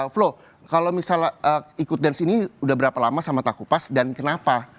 flo kalau misalnya ikut dance ini udah berapa lama sama tak kupas dan kenapa